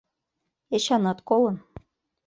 Эчанат колын.